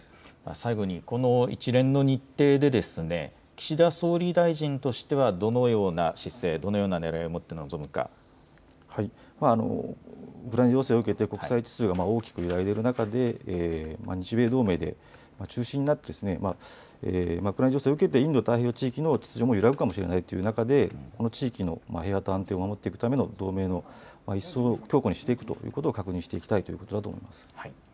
最後に、この一連の日程で岸田総理大臣としてはどのような姿勢、どのようなねらいをもって臨むか、国際秩序が大きく揺らいでいる中で日米同盟で中心になってウクライナ情勢を受けてインド太平洋地域の秩序も揺らぐかもしれないということでこの地域の平和と安定を守っていくための同盟を一層強固にしていくということ確認していきたいということだと思います。